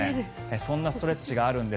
そんなストレッチがあるんです。